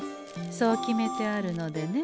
そう決めてあるのでね。